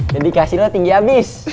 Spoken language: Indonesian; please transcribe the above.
dedikasi lo tinggi abis